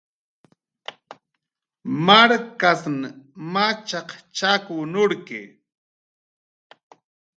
Markasn machaq chakw nurki